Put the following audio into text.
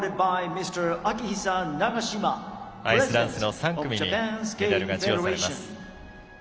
アイスダンスの３組にメダルが授与されます。